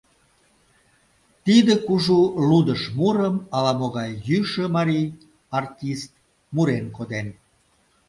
Тиде кужу лудыш мурым ала-могай йӱшӧ марий, артист, мурен коден.